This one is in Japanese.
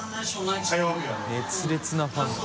熱烈なファンだ。